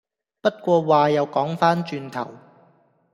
不過話又講番轉頭